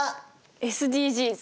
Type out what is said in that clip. ＳＤＧｓ！